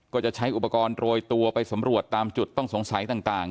ก็จะใช้อุปกรณ์โรยตัวไปสำรวจตามจุดต้องสงสัยต่าง